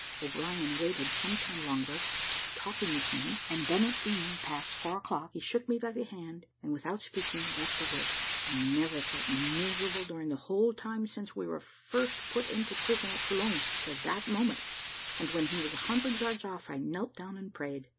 O'Brien waited some time longer, talking with me, and it then being past four o'clock, he shook me by the hand, and, without speaking, left the wood. I never felt miserable during the whole time since we were first put into prison at Toulon, till that moment, and, when he was a hundred yards off, I knelt down and prayed.